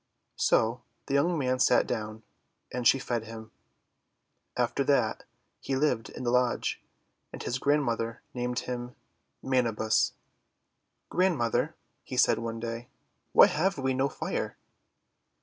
So the young man sat down, and she fed him. After that he lived in the lodge, and his grand mother named him Manabus. :* Grandmother," he said one day, "why have we no Fire?'